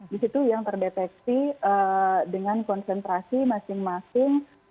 di situ yang terdeteksi dengan konsentrasi masing masing